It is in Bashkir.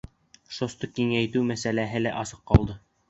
ШОС-ты киңәйтеү мәсьәләһе лә асыҡ ҡалды.